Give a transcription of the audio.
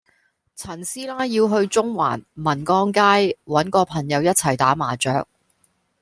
陳師奶要去中環民光街搵個朋友一齊打麻雀